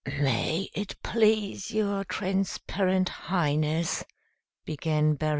"May it please your Transparent Highness," began Berrylegs.